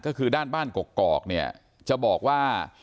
ก็คือด้านบ้านกอกเนี่ยจะบอกว่า